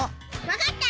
わかった！